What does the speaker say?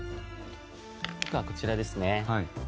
僕はこちらですね。